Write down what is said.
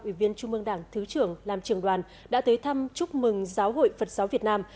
ủy viên trung mương đảng thứ trưởng làm trường đoàn đã tới thăm chúc mừng giáo hội phật giáo việt nam